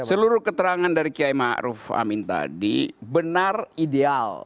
seluruh keterangan dari kiai ma'ruf amin tadi benar ideal